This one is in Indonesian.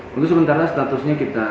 yang saya kenal itu yaitu